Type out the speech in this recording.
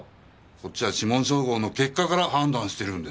こっちは指紋照合の結果から判断してるんです。